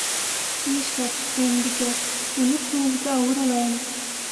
— Ни эшләп, ҡәйенбикә, уны күңелгә ауыр алайым.